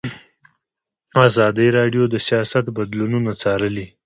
ازادي راډیو د سیاست بدلونونه څارلي.